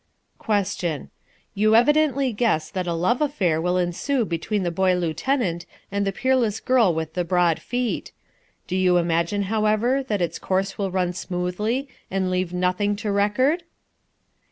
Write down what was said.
Question. You evidently guess that a love affair will ensue between the boy lieutenant and the peerless girl with the broad feet. Do you imagine, however, that its course will run smoothly and leave nothing to record?